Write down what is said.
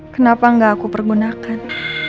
kenapa gak aku pergunakan